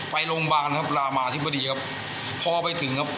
ไปโรงพยาบาลครับรามาธิบดีครับพอไปถึงครับ